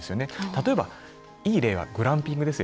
例えばいい例がグランピングです。